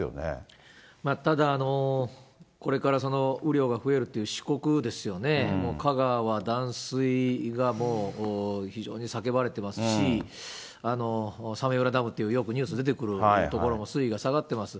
ただ、これから雨量が増えるという四国ですよね、もう香川断水がもう非常に叫ばれてますし、早明浦ダムっていう、よくニュースに出てくる所も水位が下がってます。